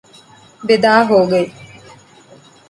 بدعا ہو گئی